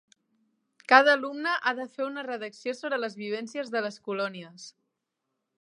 Cada alumne ha de fer una redacció sobre les vivències de les colònies.